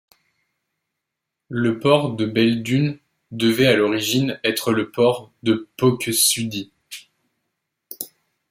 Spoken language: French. Le port de Belledune devait à l'origine être le port de Pokesudie.